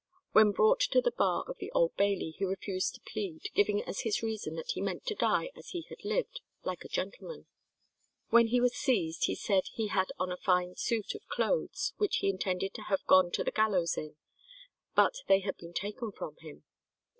When brought to the bar of the Old Bailey he refused to plead, giving as his reason that he meant to die as he had lived, like a gentleman. When he was seized, he said he had on a fine suit of clothes, which he intended to have gone to the gallows in, but they had been taken from him.